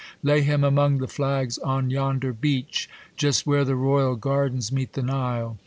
Lay him among the flags on yonder beach, Just where the royal gardens meet the Nile.